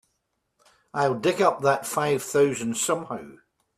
I'll dig up that five thousand somehow.